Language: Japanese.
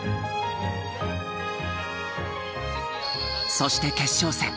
そして決勝戦。